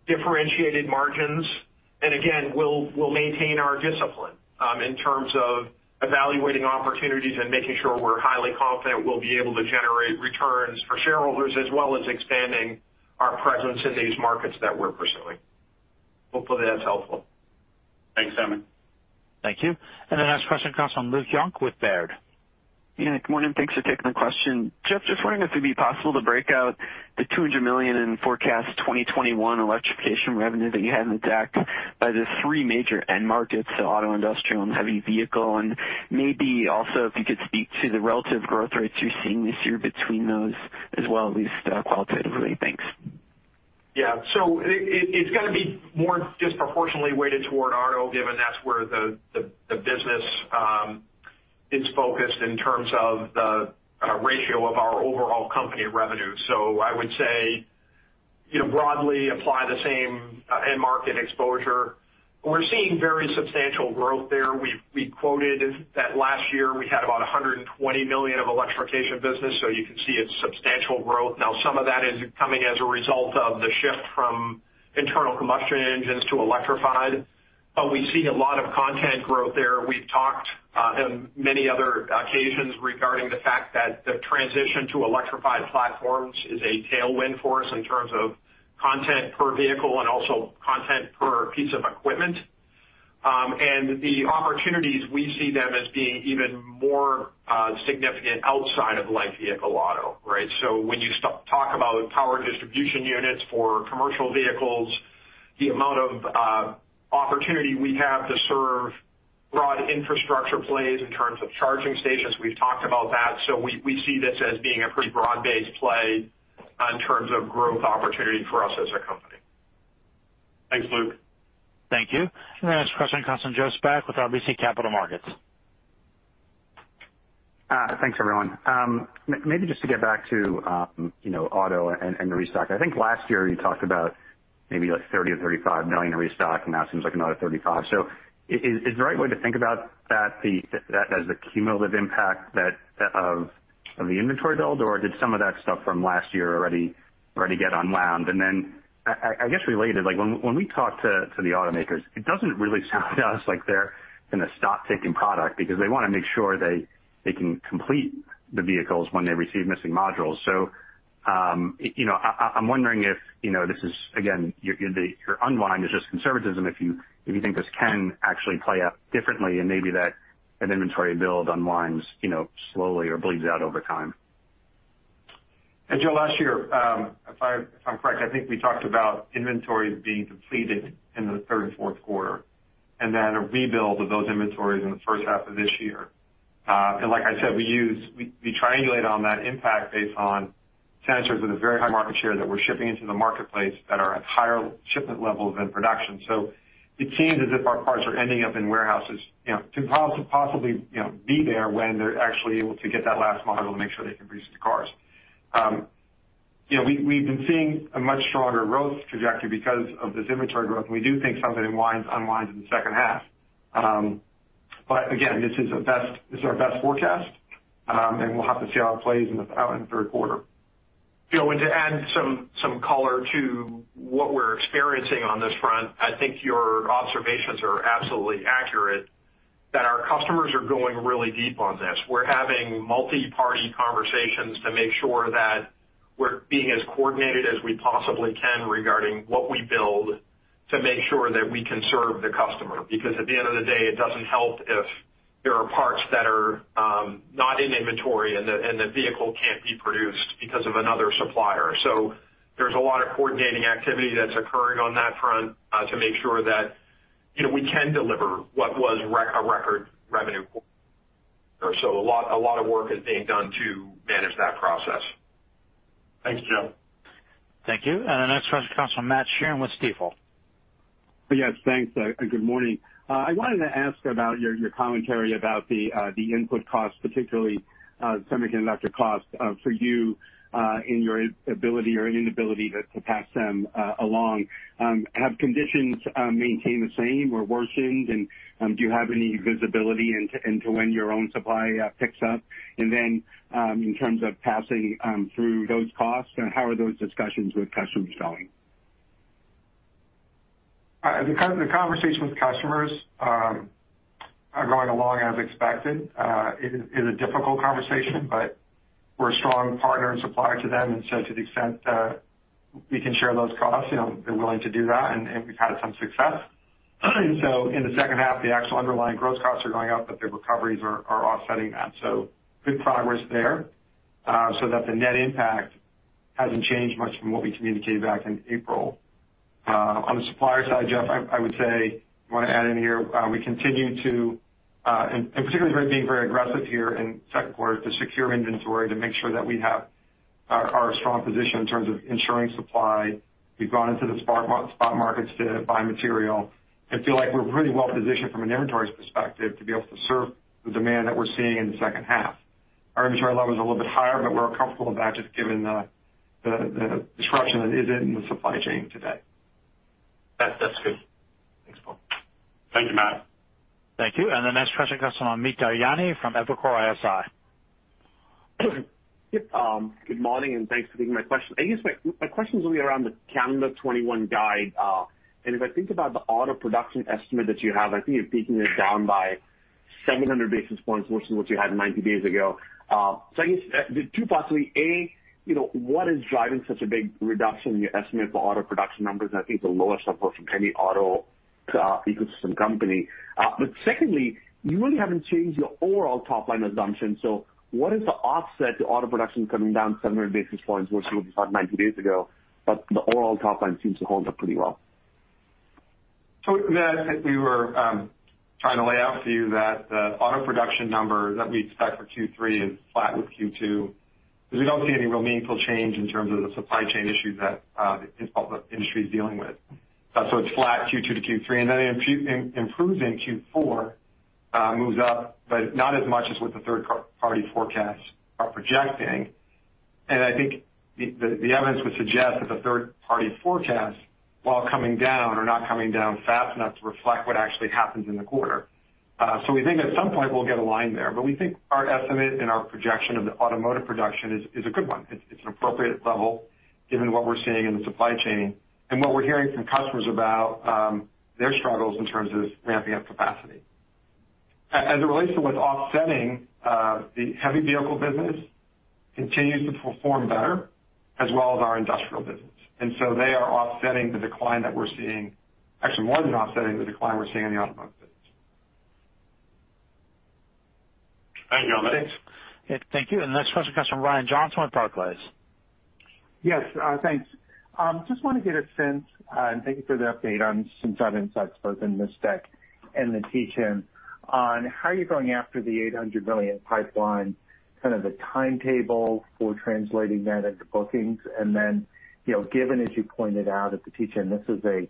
Differentiated margins. Again, we'll maintain our discipline in terms of evaluating opportunities and making sure we're highly confident we'll be able to generate returns for shareholders, as well as expanding our presence in these markets that we're pursuing. Hopefully, that's helpful. Thanks, Samik. Thank you. The next question comes from Luke Junk with Baird. Yeah. Good morning. Thanks for taking the question. Jeff, just wondering if it'd be possible to break out the $200 million in forecast 2021 Electrification revenue that you had in the deck by the three major end markets, so auto, industrial, and heavy vehicle, and maybe also if you could speak to the relative growth rates you're seeing this year between those as well, at least qualitatively. Thanks. Yeah. It's going to be more disproportionately weighted toward Auto, given that's where the business is focused in terms of the ratio of our overall company revenue. I would say, broadly apply the same end market exposure. We're seeing very substantial growth there. We quoted that last year we had about $120 million of Electrification business, so you can see it's substantial growth. Now, some of that is coming as a result of the shift from internal combustion engines to electrified. We see a lot of content growth there. We've talked on many other occasions regarding the fact that the transition to electrified platforms is a tailwind for us in terms of content per vehicle and also content per piece of equipment. The opportunities, we see them as being even more significant outside of light vehicle auto, right? When you talk about power distribution units for commercial vehicles, the amount of opportunity we have to serve broad infrastructure plays in terms of charging stations, we've talked about that. We see this as being a pretty broad-based play in terms of growth opportunity for us as a company. Thanks, Luke. Thank you. The next question comes from Joe Spak with RBC Capital Markets. Thanks, everyone. Maybe just to get back to auto and the restock. I think last year you talked about maybe like $30 or $35 million in restock. Now it seems like another $35 million. Is the right way to think about that as the cumulative impact of the inventory build, or did some of that stuff from last year already get unwound? I guess related, when we talk to the automakers, it doesn't really sound to us like they're going to stop taking product because they want to make sure they can complete the vehicles when they receive missing modules. I'm wondering if this is, again, your unwind is just conservatism if you think this can actually play out differently and maybe that an inventory build unwinds slowly or bleeds out over time. Hey, Joe, last year, if I'm correct, I think we talked about inventories being depleted in the third and fourth quarter, then a rebuild of those inventories in the first half of this year. Like I said, we triangulate on that impact based on sensors with a very high market share that we're shipping into the marketplace that are at higher shipment levels than production. It seems as if our parts are ending up in warehouses to possibly be there when they're actually able to get that last module to make sure they can produce the cars. We've been seeing a much stronger growth trajectory because of this inventory growth, and we do think some of it unwinds in the second half. Again, this is our best forecast. We'll have to see how it plays out in the third quarter. Joe, to add some color to what we're experiencing on this front, I think your observations are absolutely accurate, that our customers are going really deep on this. We're having multi-party conversations to make sure that we're being as coordinated as we possibly can regarding what we build to make sure that we can serve the customer. At the end of the day, it doesn't help if there are parts that are not in inventory, and the vehicle can't be produced because of another supplier. There's a lot of coordinating activity that's occurring on that front to make sure that we can deliver what was a record revenue quarter. A lot of work is being done to manage that process. Thanks, Joe. Thank you. Our next question comes from Matt Sheerin with Stifel. Yes, thanks, good morning. I wanted to ask about your commentary about the input costs, particularly semiconductor costs for you, and your ability or inability to pass them along. Have conditions maintained the same or worsened, and do you have any visibility into when your own supply picks up? Then, in terms of passing through those costs, how are those discussions with customers going? The conversation with customers are going along as expected. It is a difficult conversation, but we're a strong partner and supplier to them, and to the extent that we can share those costs, they're willing to do that, and we've had some success. In the second half, the actual underlying gross costs are going up, but the recoveries are offsetting that. Good progress there, so that the net impact hasn't changed much from what we communicated back in April. On the supplier side, Jeff, I would say, you want to add in here, we continue to, and particularly being very aggressive here in second quarter to secure inventory to make sure that we have our strong position in terms of ensuring supply. We've gone into the spot markets to buy material and feel like we're pretty well positioned from an inventory perspective to be able to serve the demand that we're seeing in the second half. Our inventory level is a little bit higher, but we're comfortable with that just given the disruption that is in the supply chain today. That's good. Thank you, Matt. Thank you. The next question comes from Amit Daryanani from Evercore ISI. Good morning. Thanks for taking my question. I guess my question is really around the calendar 2021 guide. If I think about the auto production estimate that you have, I think you're taking it down by 700 basis points versus what you had 90 days ago. I guess the two parts would be, A, what is driving such a big reduction in your estimate for auto production numbers? I think the lowest number from any auto ecosystem company. Secondly, you really haven't changed your overall top-line assumption. What is the offset to auto production coming down 700 basis points versus what you had 90 days ago, but the overall top line seems to hold up pretty well? Amit, I think we were trying to lay out for you that the auto production number that we expect for Q3 is flat with Q2, because we don't see any real meaningful change in terms of the supply chain issues that the industry's dealing with. It's flat Q2 to Q3, and then it improves in Q4, moves up, but not as much as what the third-party forecasts are projecting. I think the evidence would suggest that the third-party forecasts, while coming down, are not coming down fast enough to reflect what actually happens in the quarter. We think at some point we'll get aligned there, but we think our estimate and our projection of the automotive production is a good one. It's an appropriate level given what we're seeing in the supply chain and what we're hearing from customers about their struggles in terms of ramping up capacity. As it relates to what's offsetting, the heavy vehicle business continues to perform better as well as our industrial business. They are offsetting the decline that we're seeing, actually more than offsetting the decline we're seeing in the automotive business. Thank you, Amit. Thank you. The next question comes from Brian Johnson with Barclays. Yes, thanks. Just want to get a sense, and thank you for the update on Sensata INSIGHTS both in this deck and the teach-in, on how you're going after the $800 million pipeline, kind of the timetable for translating that into bookings. Given, as you pointed out at the teach-in, this is a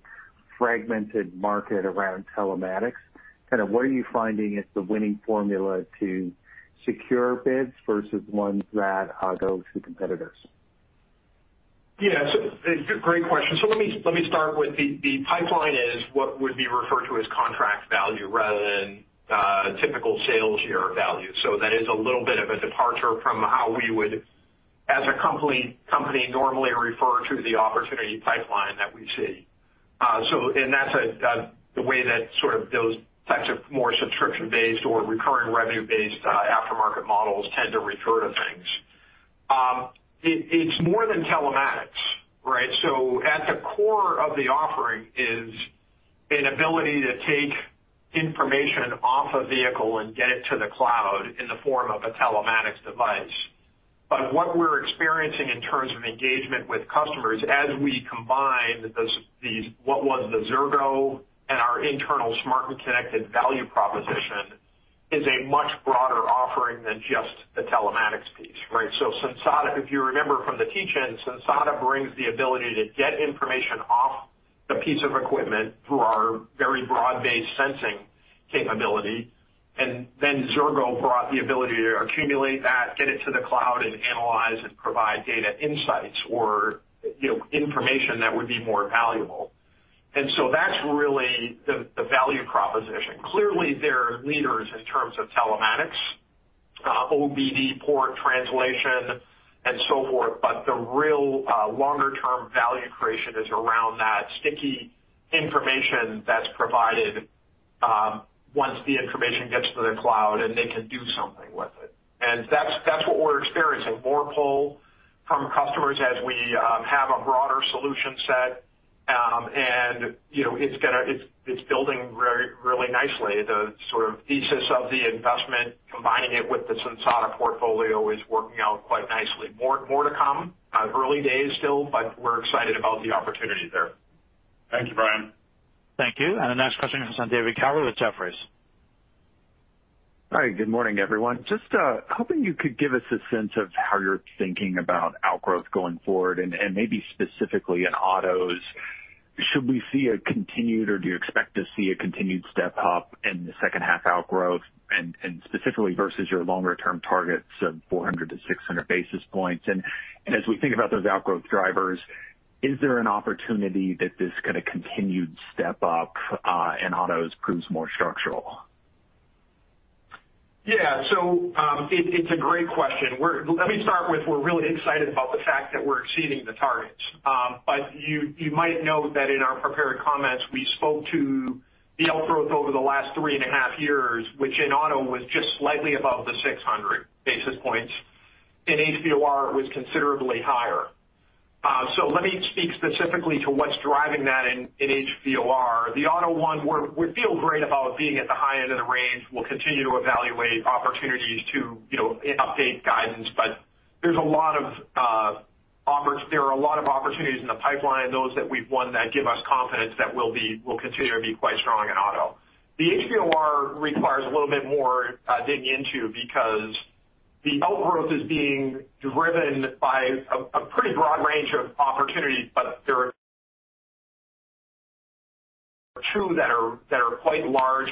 fragmented market around telematics, what are you finding is the winning formula to secure bids versus ones that go to competitors? Yeah. Great question. Let me start with the pipeline is what would be referred to as contract value rather than typical sales year value. That is a little bit of a departure from how we would, as a company, normally refer to the opportunity pipeline that we see. That's the way that those types of more subscription-based or recurring revenue-based aftermarket models tend to refer to things. It's more than telematics, right? At the core of the offering is an ability to take information off a vehicle and get it to the cloud in the form of a telematics device. What we're experiencing in terms of engagement with customers as we combine what was the Xirgo and our internal smart and connected value proposition is a much broader offering than just the telematics piece, right? If you remember from the teach-in, Sensata brings the ability to get information off the piece of equipment through our very broad-based sensing capability. Xirgo brought the ability to accumulate that, get it to the cloud, and analyze and provide data insights or information that would be more valuable. That's really the value proposition. Clearly, they're leaders in terms of telematics, OBD port translation, and so forth. The real longer-term value creation is around that sticky information that's provided once the information gets to the cloud, and they can do something with it. That's what we're experiencing more pull from customers as we have a broader solution set. It's building really nicely. The sort of thesis of the investment, combining it with the Sensata portfolio is working out quite nicely. More to come. Early days still, but we're excited about the opportunity there. Thank you, Brian. Thank you. The next question comes from David Kelley with Jefferies. All right. Good morning, everyone. Just hoping you could give us a sense of how you're thinking about outgrowth going forward and maybe specifically in autos. Should we see a continued, or do you expect to see a continued step-up in the second half outgrowth and specifically versus your longer-term targets of 400-600 basis points? As we think about those outgrowth drivers, is there an opportunity that this kind of continued step-up in autos proves more structural? Yeah. It's a great question. Let me start with, we're really excited about the fact that we're exceeding the targets. You might note that in our prepared comments, we spoke to the outgrowth over the last three and a half years, which in auto was just slightly above the 600 basis points. In HVOR, it was considerably higher. Let me speak specifically to what's driving that in HVOR. The auto one, we feel great about being at the high end of the range. We'll continue to evaluate opportunities to update guidance. There are a lot of opportunities in the pipeline, those that we've won that give us confidence that we'll continue to be quite strong in auto. The HVOR requires a little bit more digging into because the outgrowth is being driven by a pretty broad range of opportunities, but there are two that are quite large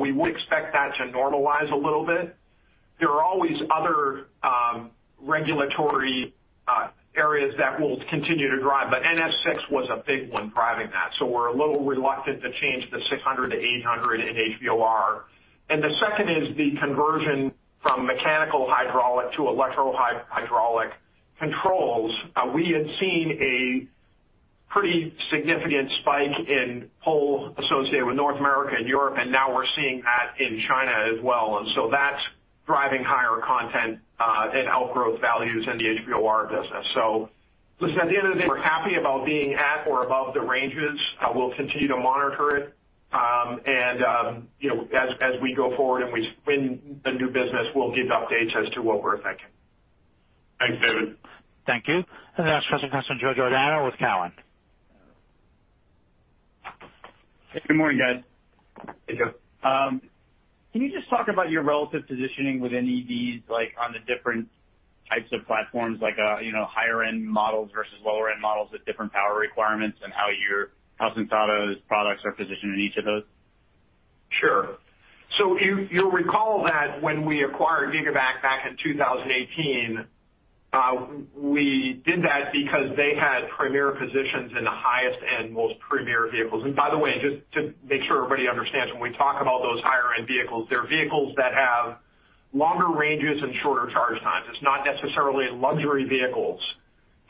We would expect that to normalize a little bit. There are always other regulatory areas that will continue to drive, but NS VI was a big one driving that. We're a little reluctant to change the 600-800 in HVOR. The second is the conversion from mechanical hydraulic to electrohydraulic controls. We had seen a pretty significant spike in pull associated with North America and Europe, and now we're seeing that in China as well. That's driving higher content and outgrowth values in the HVOR business. At the end of the day, we're happy about being at or above the ranges. We'll continue to monitor it. As we go forward and we win the new business, we'll give updates as to what we're thinking. Thanks, David. Thank you. Next for Joe Giordano with Cowen. Good morning, guys. Hey, Joe. Can you just talk about your relative positioning within EVs, on the different types of platforms, like higher-end models versus lower-end models at different power requirements, and how Sensata's products are positioned in each of those? Sure. You'll recall that when we acquired GIGAVAC back in 2018, we did that because they had premier positions in the highest-end, most premier vehicles. By the way, just to make sure everybody understands, when we talk about those higher-end vehicles, they're vehicles that have longer ranges and shorter charge times. It's not necessarily luxury vehicles.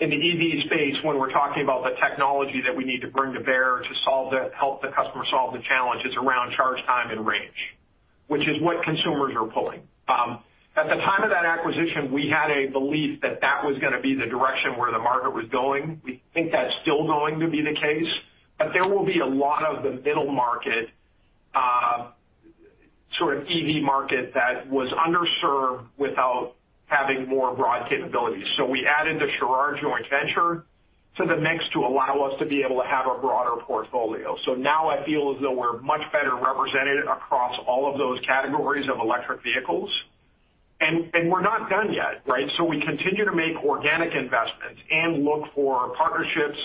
In the EVs space, when we're talking about the technology that we need to bring to bear to help the customer solve the challenge, it's around charge time and range, which is what consumers are pulling. At the time of that acquisition, we had a belief that that was going to be the direction where the market was going. We think that's still going to be the case, but there will be a lot of the middle market, sort of EVs market that was underserved without having more broad capabilities. We added the Churod joint venture to the mix to allow us to be able to have a broader portfolio. Now I feel as though we're much better represented across all of those categories of electric vehicles, and we're not done yet, right? We continue to make organic investments and look for partnerships,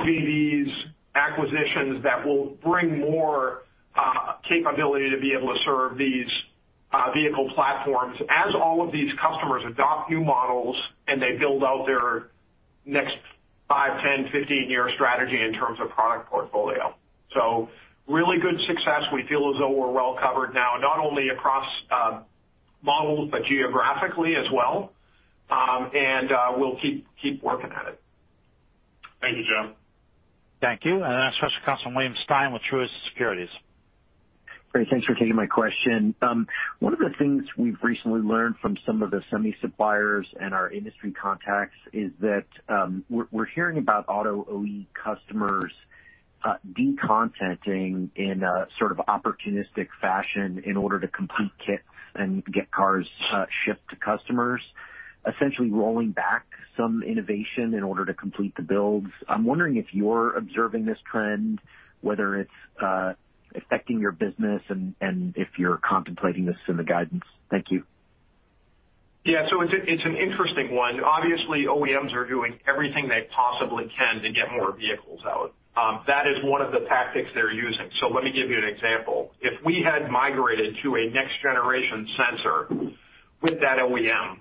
JVs, acquisitions that will bring more capability to be able to serve these vehicle platforms as all of these customers adopt new models and they build out their next five, 10, 15-year strategy in terms of product portfolio. Really good success. We feel as though we're well covered now, not only across models, but geographically as well. We'll keep working at it. Thank you, Joe. Thank you. Our next question comes from William Stein with Truist Securities. Great. Thanks for taking my question. One of the things we've recently learned from some of the semi suppliers and our industry contacts is that we're hearing about auto OE customers decontenting in a sort of opportunistic fashion in order to complete kits and get cars shipped to customers, essentially rolling back some innovation in order to complete the builds. I'm wondering if you're observing this trend, whether it's affecting your business, and if you're contemplating this in the guidance. Thank you. It's an interesting one. Obviously, OEMs are doing everything they possibly can to get more vehicles out. That is one of the tactics they're using. Let me give you an example. If we had migrated to a next-generation sensor with that OEM,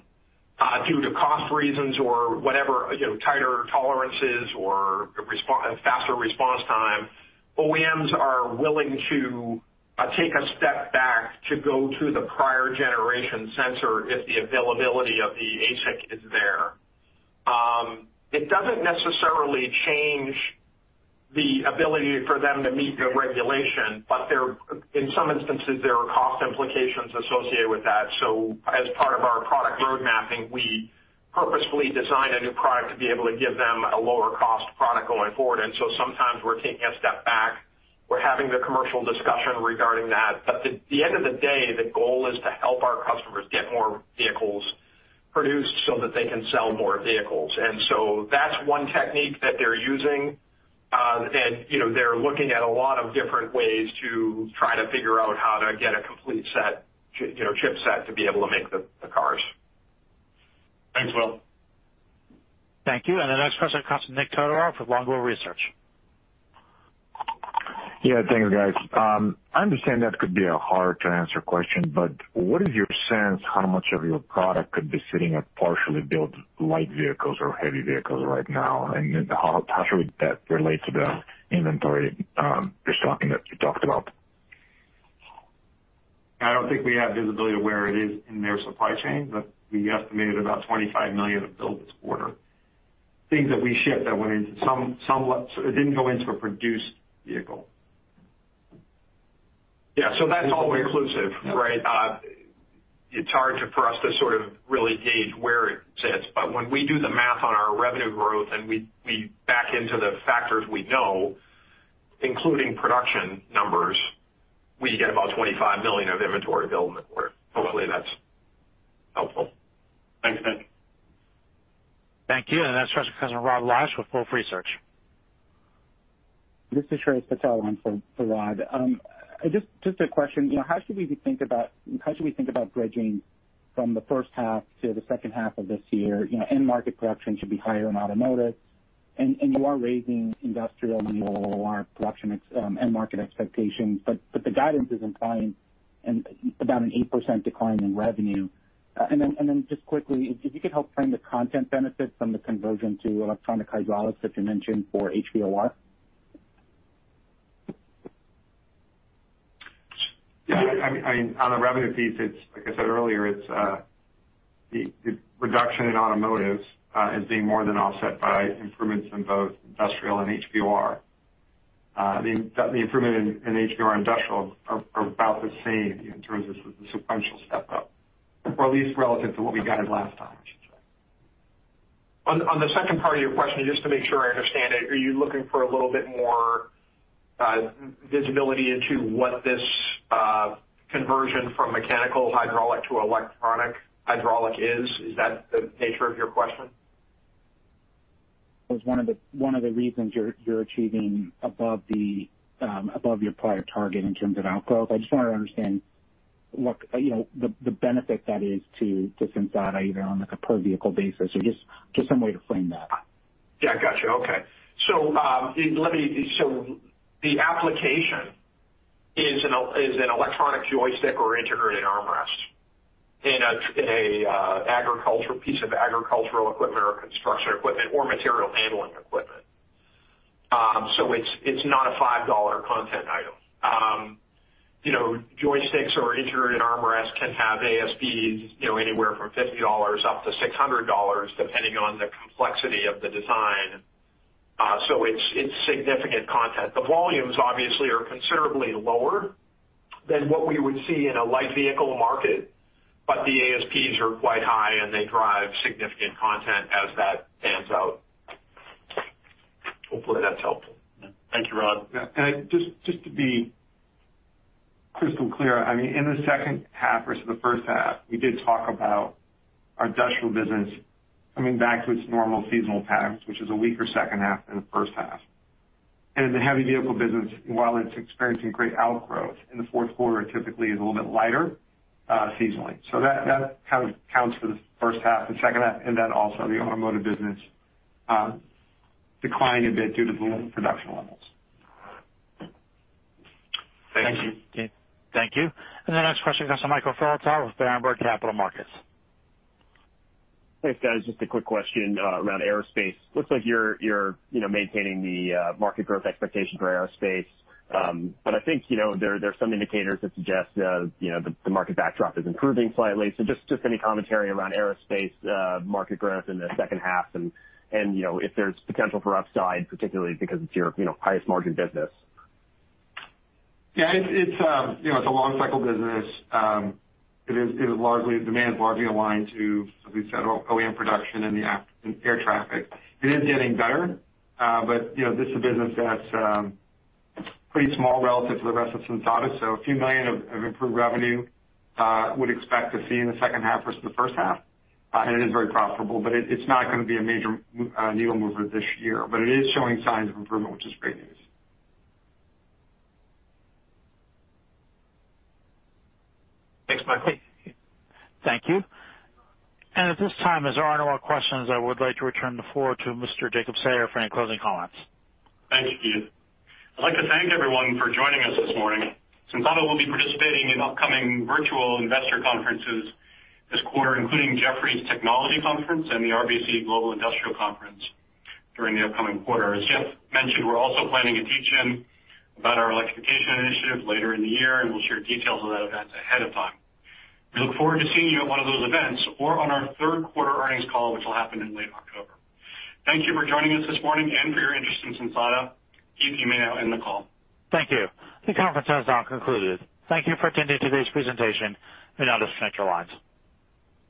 due to cost reasons or whatever, tighter tolerances or faster response time, OEMs are willing to take a step back to go to the prior generation sensor if the availability of the ASIC is there. It doesn't necessarily change the ability for them to meet the regulation, but in some instances, there are cost implications associated with that. As part of our product road mapping, we purposefully design a new product to be able to give them a lower cost product going forward. Sometimes we're taking a step back. We're having the commercial discussion regarding that. At the end of the day, the goal is to help our customers get more vehicles produced so that they can sell more vehicles. That's one technique that they're using. They're looking at a lot of different ways to try to figure out how to get a complete set, chipset to be able to make the cars. Thanks, Will. Thank you. The next question comes from Nik Todorov with Longbow Research. Yeah, thanks, guys. I understand that could be a hard to answer question, but what is your sense how much of your product could be sitting at partially built light vehicles or heavy vehicles right now, and how should that relate to the inventory restocking that you talked about? I don't think we have visibility of where it is in their supply chain, but we estimated about $25 million of build this quarter. Things that we shipped that went into, it didn't go into a produced vehicle. That's all inclusive, right? It's hard for us to sort of really gauge where it sits. When we do the math on our revenue growth and we back into the factors we know, including production numbers, we get about $25 million of inventory build in the quarter. Hopefully, that's helpful. Thanks, Nik. Thank you. Our next question comes from Rod Lache with Wolfe Research. This is Shreyas Patil on for Rod Lache. Just a question. How should we think about bridging from the first half to the second half of this year? End market production should be higher in automotive. You are raising industrial and HVOR production end market expectations, but the guidance is implying about an 8% decline in revenue. Just quickly, if you could help frame the content benefit from the conversion to electronic hydraulics that you mentioned for HVOR? Yeah. On the revenue piece, like I said earlier, the reduction in automotive is being more than offset by improvements in both industrial and HVOR. The improvement in HVOR and industrial are about the same in terms of the sequential step-up, or at least relative to what we guided last time. On the second part of your question, just to make sure I understand it, are you looking for a little bit more visibility into what this conversion from mechanical hydraulic to electronic hydraulic is? Is that the nature of your question? It was one of the reasons you're achieving above your prior target in terms of outgrowth. I just want to understand the benefit that is to Sensata, either on a per vehicle basis or just some way to frame that. Yeah, got you. Okay. The application is an electronic joystick or integrated armrest in a piece of agricultural equipment or construction equipment or material handling equipment. It's not a $5 content item. Joysticks or integrated armrests can have ASPs anywhere from $50 up to $600, depending on the complexity of the design. It's significant content. The volumes obviously are considerably lower than what we would see in a light vehicle market, but the ASPs are quite high, and they drive significant content as that pans out. Hopefully, that's helpful. Thank you, Shreyas. Yeah. Just to be crystal clear, in the second half versus the first half, we did talk about our industrial business coming back to its normal seasonal patterns, which is a weaker second half than the first half. In the heavy vehicle business, while it's experiencing great outgrowth, in the fourth quarter, it typically is a little bit lighter seasonally. That kind of counts for the first half and second half, and then also the automotive business declined a bit due to lower production levels. Thank you. Thank you. Thank you. The next question goes to Michael Filatov with Berenberg Capital Markets. Thanks, guys. Just a quick question around aerospace. Looks like you're maintaining the market growth expectation for aerospace. I think there's some indicators that suggest the market backdrop is improving slightly. Just any commentary around aerospace market growth in the second half and if there's potential for upside, particularly because it's your highest margin business. Yeah, it's a long cycle business. Demand is largely aligned to, as we said, OEM production and the air traffic. It is getting better. This is a business that's pretty small relative to the rest of Sensata. A few million of improved revenue would expect to see in the second half versus the first half. It is very profitable. It's not going to be a major needle mover this year. It is showing signs of improvement, which is great news. Thanks, Michael. Thank you. At this time, as there are no more questions, I would like to return the floor to Mr. Jacob Sayer for any closing comments. Thank you, Keith. I'd like to thank everyone for joining us this morning. Sensata will be participating in upcoming virtual investor conferences this quarter, including Jefferies Technology Conference and the RBC Global Industrials Conference during the upcoming quarter. As Jeff mentioned, we're also planning a teach-in about our electrification initiative later in the year, and we'll share details of that event ahead of time. We look forward to seeing you at one of those events or on our third quarter earnings call, which will happen in late October. Thank you for joining us this morning and for your interest in Sensata. Keith, you may now end the call. Thank you. The conference has now concluded. Thank you for attending today's presentation, you may now disconnect your lines.